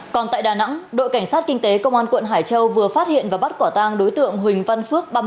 còn tại đà nẵng đội cảnh sát kinh tế công an quận hải châu vừa phát hiện và bắt quả tang đối tượng huỳnh văn phước